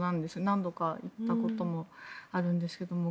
何度か行ったこともあるんですけれども。